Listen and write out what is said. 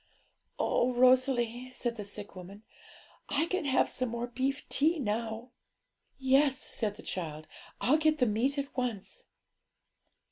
'Oh, Rosalie,' said the sick woman, 'I can have some more beef tea now!' 'Yes,' said the child; 'I'll get the meat at once.'